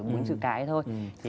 mình chữ cái thôi